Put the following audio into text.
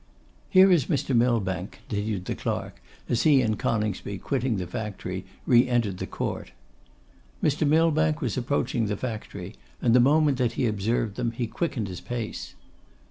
'Here is Mr. Millbank,' continued the clerk, as he and Coningsby, quitting the factory, re entered the court. Mr. Millbank was approaching the factory, and the moment that he observed them, he quickened his pace.